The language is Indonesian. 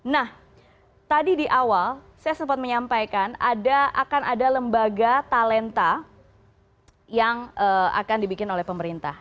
nah tadi di awal saya sempat menyampaikan akan ada lembaga talenta yang akan dibikin oleh pemerintah